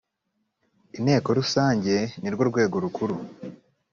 inteko rusange nirwo rwego rukuru